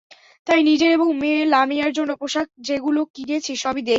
তাই নিজের এবং মেয়ে লামিয়ার জন্য পোশাক যেগুলো কিনেছি, সবই দেশি।